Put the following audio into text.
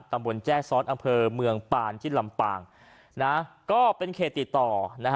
แจ้ซ้อนอำเภอเมืองปานที่ลำปางนะก็เป็นเขตติดต่อนะฮะ